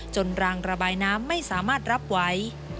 รางระบายน้ำไม่สามารถรับไว้